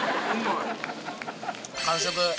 完食！